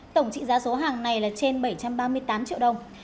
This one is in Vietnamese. tổng trị giá số hàng này là trên bảy trăm ba mươi tám triệu đồng